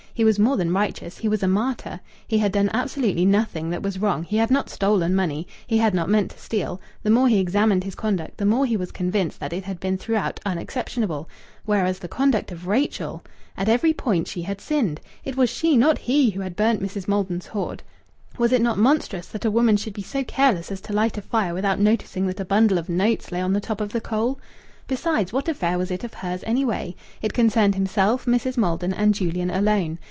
He was more than righteous he was a martyr. He had done absolutely nothing that was wrong. He had not stolen money; he had not meant to steal; the more he examined his conduct, the more he was convinced that it had been throughout unexceptionable, whereas the conduct of Rachel ...! At every point she had sinned. It was she, not he, who had burnt Mrs. Maldon's hoard. Was it not monstrous that a woman should be so careless as to light a fire without noticing that a bundle of notes lay on the top of the coal? Besides, what affair was it of hers, anyway? It concerned himself, Mrs. Maldon, and Julian, alone.